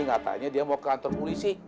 katanya dia mau ke kantor polisi